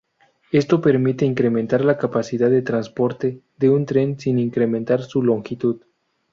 Esto permite incrementar la capacidad de transporte de un tren sin incrementar su longitud.